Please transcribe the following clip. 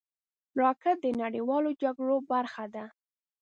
راکټ د نړیوالو جګړو برخه ده